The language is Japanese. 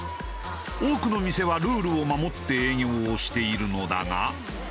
多くの店はルールを守って営業をしているのだが。